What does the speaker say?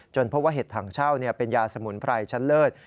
เพราะว่าเห็ดถังเช่าเป็นยาสมุนไพรชั้นเลิศ